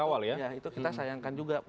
awal ya itu kita sayangkan juga